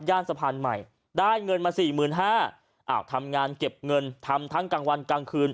สะพานใหม่ได้เงินมาสี่หมื่นห้าอ้าวทำงานเก็บเงินทำทั้งกลางวันกลางคืน